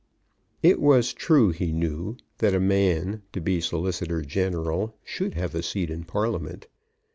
It was true, he knew, that a man, to be Solicitor General, should have a seat in Parliament.